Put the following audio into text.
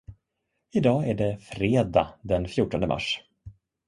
Idag är det fredag den fjortonde mars